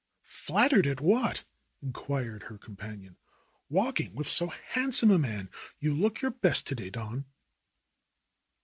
"Flattered at what?" inquired her companion. "Walking with so handsome a man. You look your best to day, Don."